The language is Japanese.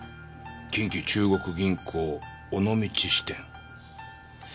近畿中国銀行尾道支店。